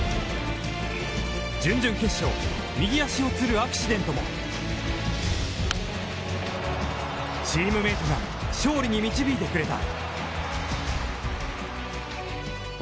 準々決勝、右足をつるアクシデントもチームメートが勝利に導いてくれた！